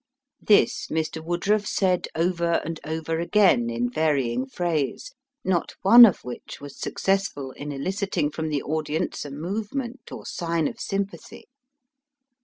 This Mr. Woodruff said over and over again in varying phrase, not one of which was successful in eliciting from the audience a movement or sign of sympathy.